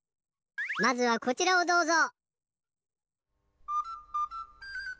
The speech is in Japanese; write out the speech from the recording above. まずはこちらをどうぞ。